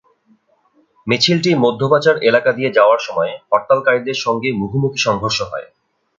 মিছিলটি মধ্যবাজার এলাকা দিয়ে যাওয়ার সময় হরতালকারীদের সঙ্গে মুখোমুখি সংঘর্ষ হয়।